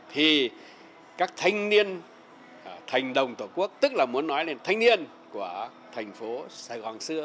thì các thanh niên thành đồng tổ quốc tức là muốn nói lên thanh niên của thành phố sài gòn xưa